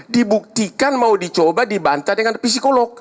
dibuktikan mau dicoba dibantah dengan psikolog